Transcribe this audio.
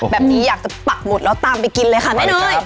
แบบนี้อยากจะปักหมดแล้วตามไปกินเลยค่ะแม่เนย